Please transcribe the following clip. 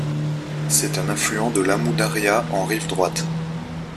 C'est un affluent de l'Amou-Daria en rive droite.